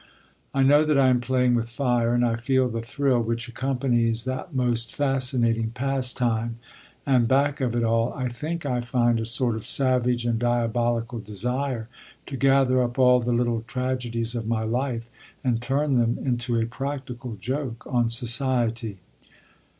I know that I am playing with fire, and I feel the thrill which accompanies that most fascinating pastime; and, back of it all, I think I find a sort of savage and diabolical desire to gather up all the little tragedies of my life, and turn them into a practical joke on society.